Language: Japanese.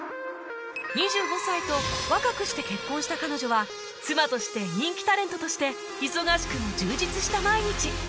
２５歳と若くして結婚した彼女は妻として人気タレントとして忙しくも充実した毎日